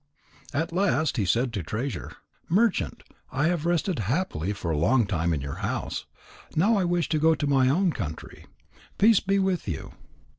At last he said to Treasure: "Merchant, I have rested happily for a long time in your house. Now I wish to go to my own country. Peace be with you!"